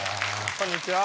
こんにちは。